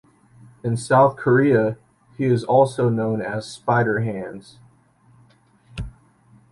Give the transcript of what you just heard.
In South Korea, he is also known as "Spider Hands".